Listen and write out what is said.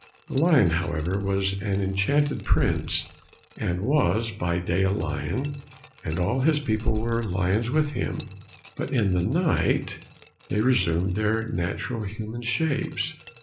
The lion, however, was an enchanted prince and was by day a lion, and all his people were lions with him, but in the night they resumed their natural human shapes.